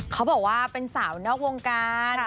เขาบอกว่าเป็นสาวนอกวงการ